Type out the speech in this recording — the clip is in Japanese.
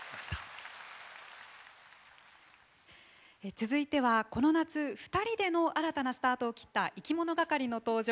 続いてはこの夏２人での新たなスタートを切ったいきものがかりの登場です。